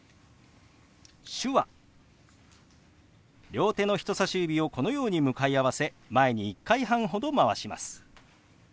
両手の人さし指をこのように向かい合わせ前に１回半ほどまわします。